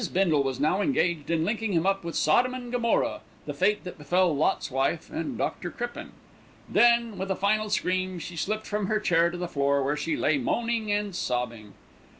Bindle was now engaged in linking him up with Sodom and Gomorrah, the fate that befell Lot's wife and Dr. Crippen. Then, with a final scream, she slipped from her chair to the floor, where she lay moaning and sobbing.